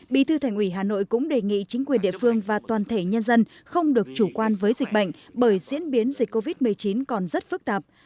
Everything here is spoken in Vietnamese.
bí thư thành ủy hà nội cũng đề nghị chính quyền địa phương và toàn thể nhân dân không được chủ quan với dịch bệnh bởi diễn biến dịch covid một mươi chín còn rất phức tạp